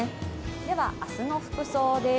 では明日の服装です。